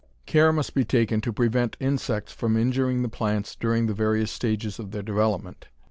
Care must be taken to prevent insects from injuring the plants during the various stages of their development.